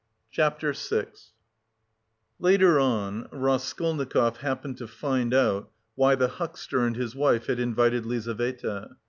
CHAPTER VI Later on Raskolnikov happened to find out why the huckster and his wife had invited Lizaveta.